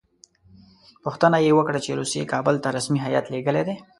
پوښتنه یې وکړه چې روسیې کابل ته رسمي هیات لېږلی دی.